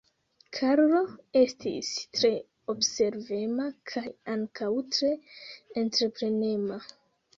Karlo estis tre observema kaj ankaŭ tre entreprenema.